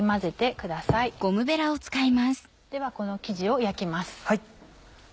この生地を焼きます。